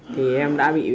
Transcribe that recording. thì em đã bị